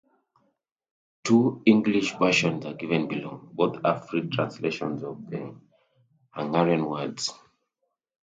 Two English versions are given below; both are free translations of the Hungarian words.